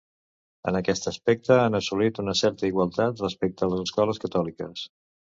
En aquest aspecte han assolit una certa igualtat respecte a les escoles catòliques.